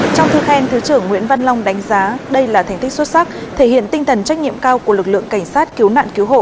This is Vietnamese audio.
trong thư khen thứ trưởng nguyễn văn long đánh giá đây là thành tích xuất sắc thể hiện tinh thần trách nhiệm cao của lực lượng cảnh sát cứu nạn cứu hộ